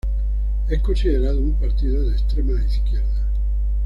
Es considerado un partido de extrema izquierda.